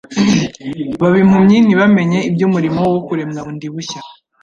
baba impumyi ntibamenye iby’umurimo wo kuremwa bundi bushya